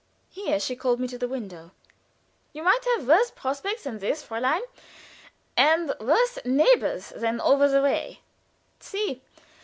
Here she called me to the window. "You might have worse prospects than this, Fräulein, and worse neighbors than those over the way. See!